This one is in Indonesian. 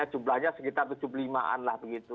jumlahnya sekitar tujuh puluh lima an lah begitu